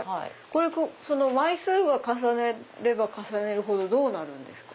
枚数が重なれば重なるほどどうなるんですか？